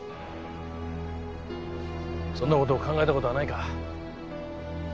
そんな事を考えた事はないか？